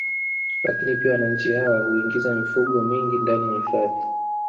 Lakini pia wananchi hawa huingiza mifugo mingi ndani ya hifadhi